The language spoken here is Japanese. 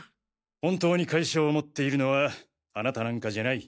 本当に会社を思っているのはあなたなんかじゃない。